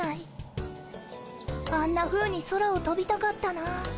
あんなふうに空をとびたかったな。